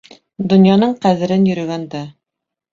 Донъяның ҡәҙерен йөрөгәндә